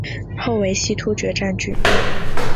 后为西突厥占据。